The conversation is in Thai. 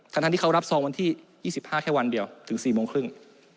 ทั้งที่เขารับซองวันที่๒๕แค่วันเดียวถึง๔โมงครึ่ง